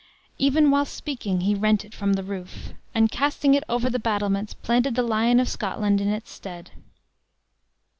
Even while speaking, he rent it from the roof; and casting it over the battlements, planted the lion of Scotland in its stead.